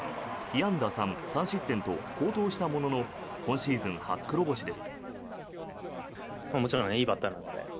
安打３３失点と好投したものの今シーズン初黒星です。